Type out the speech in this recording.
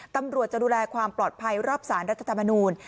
ตำรวจจะดูแลความปลอดภัยรอบสารรัฐธรรมนูล